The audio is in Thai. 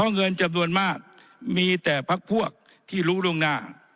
เงินจำนวนมากมีแต่พักพวกที่รู้ล่วงหน้า